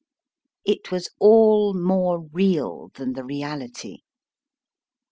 It was all more real than the reality.